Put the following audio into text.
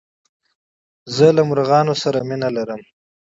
زه له مرغانو سره مينه لرم.